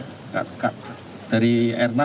dari airnafs juga tadi sudah dikatakan